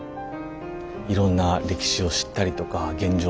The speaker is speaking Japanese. いろんな歴史を知ったりとか現状